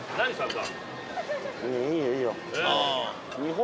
いいよいいよ。